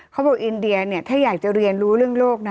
เขาบอกอินเดียถ้าอยากจะเรียนรู้เรื่องโลกนะ